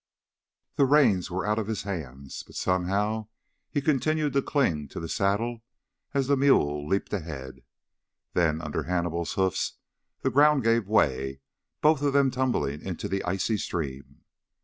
The reins were out of his hands, but somehow he continued to cling to the saddle as the mule leaped ahead. Then under Hannibal's hoofs the ground gave way, both of them tumbling into the icy stream.